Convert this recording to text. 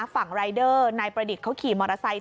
ฝั่งรายเดอร์นายประดิษฐ์เขาขี่มอเตอร์ไซค์